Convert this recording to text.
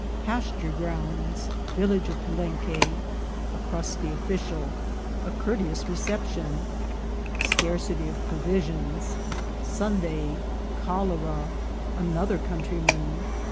— Pasture Grounds. — Village of Palenque. — A crusty Official. — A courteous Reception. — Scarcity of Provisions. — Sunday.— Cholera. — Another Countryman.